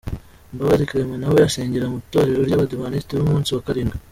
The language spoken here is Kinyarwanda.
Mbabazi Clement nawe asengera mu itorero ry’abadiventisiti b’umunsi wa karindwi.